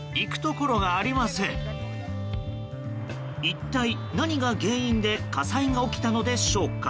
一体何が原因で火災が起きたのでしょうか。